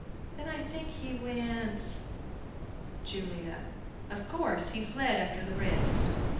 ] Then I think he went JULIA. Of course, he fled after the rest.